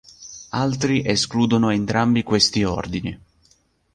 Altri escludono entrambi questi ordini.